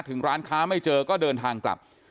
ร้านค้าไม่เจอก็เดินทางกลับ